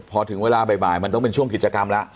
พอถึงเวลาบ่ายมันต้องเป็นช่วงกิจกรรมแล้ว